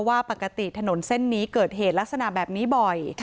ว่าปกติถนนเส้นนี้เกิดเหตุลักษณะแบบนี้บ่อย